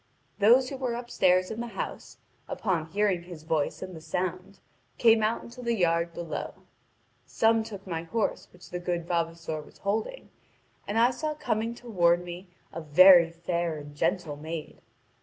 Those who were upstairs in the house, upon hearing his voice and the sound, came out into the yard below. Some took my horse which the good vavasor was holding; and I saw coming toward me a very fair and gentle maid.